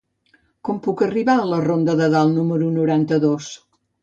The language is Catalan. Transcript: Com puc arribar a la ronda de Dalt número noranta-dos?